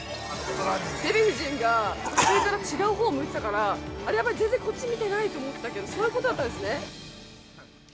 デヴィ夫人が、違うほうを向いてたから、あれ、全然こっち見てないと思ったけど、そういうことだったんですね。